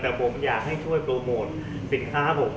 แต่ผมอยากให้ช่วยโปรโมทสินค้าผม